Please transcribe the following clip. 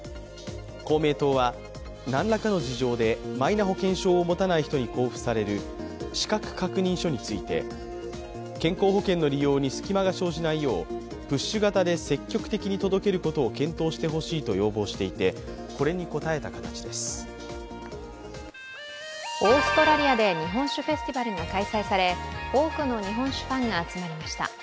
公明党は、何らかの事情でマイナ保険証を持たない人に交付される資格確認書について健康保険の利用に隙間が生じないようプッシュ型で積極的に届けることを検討してほしいと要望していてオーストラリアで日本酒フェスティバルが開催され多くの日本酒ファンが集まりました。